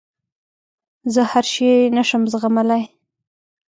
زه هر شی نه شم زغملای.